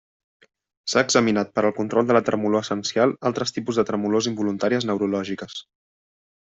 S'ha examinat per al control de la Tremolor essencial altres tipus de tremolors involuntàries neurològiques.